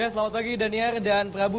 selamat pagi daniar dan prabu